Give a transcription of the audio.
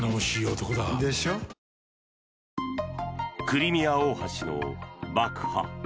クリミア大橋の爆破。